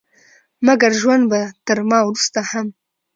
مګر ژوند به تر ما وروسته هم